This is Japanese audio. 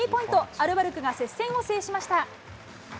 アルバルクが接戦を制しました。